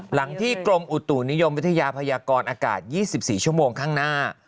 หลังที่กรมอุตุนิยมวิทยาพยากรอากาศ๒๔ชั่วโมงข้างหน้า